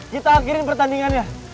kita akhirin pertandingan ya